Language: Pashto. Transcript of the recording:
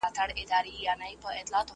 راسه جهاني چي دا بوډۍ شېبې دي مستي کو .